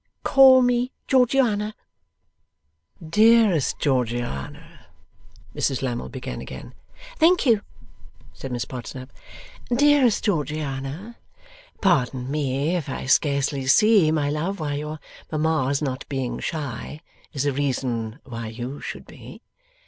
Call me Georgiana.' 'Dearest Georgiana,' Mrs Lammle began again. 'Thank you,' said Miss Podsnap. 'Dearest Georgiana, pardon me if I scarcely see, my love, why your mamma's not being shy, is a reason why you should be.